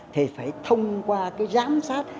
thì phải thông qua cái giám sát